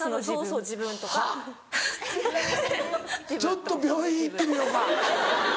ちょっと病院行ってみようか。